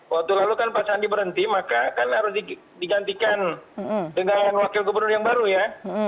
waktu lalu kan pak sandi berhenti maka kan harus digantikan dengan wakil gubernur yang baru ya